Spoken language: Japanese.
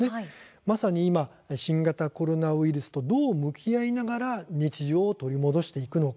まさに今、新型コロナウイルスとどう向き合いながら日常を取り戻していくのか。